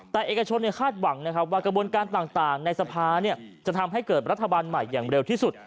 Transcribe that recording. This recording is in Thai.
แต่เอกชนคาดหวังนะครับว่ากระบวนการต่างในสภาจะทำให้เกิดรัฐบาลใหม่อย่างเร็วที่สุด